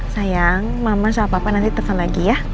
sayang mama suruh papa nanti telepon lagi ya